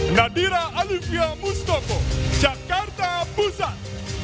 nadira alivia mustoko jakarta pusat